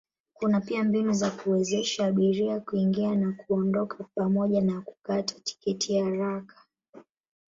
Kuna pia mbinu za kuwezesha abiria kuingia na kuondoka pamoja na kukata tiketi haraka.